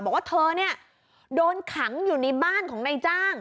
บอกว่าเธอเนี่ยโดนขังอยู่ในบ้านของนายจ้าง